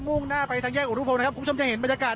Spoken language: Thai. ่งหน้าไปทางแยกอุรุพงศ์นะครับคุณผู้ชมจะเห็นบรรยากาศ